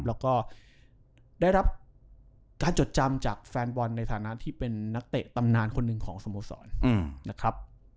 แล้วก็ได้รับการจดจำจากแฟนบอลในฐานะที่เป็นนักเตะตำนานคนหนึ่งของสโมสรนะครับ